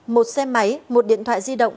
một xe máy một điện thoại di động